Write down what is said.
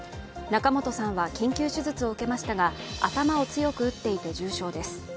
仲本さんは緊急手術を受けましたが、頭を強く打っていて重傷です。